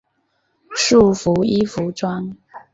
束缚衣服装。